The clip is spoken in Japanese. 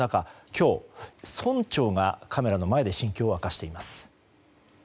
今日、村長がカメラの前で心境を明かしています。